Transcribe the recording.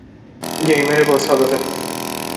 گیمر با سابقه